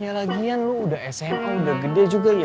ya lagian lu udah sma udah gede juga ya